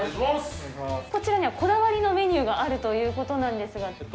こちらには、こだわりのメニューがあるということなんですが。